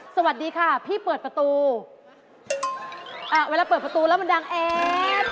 สวัสดีค่ะพี่เปิดประตูอ่าเวลาเปิดประตูแล้วมันดังแอด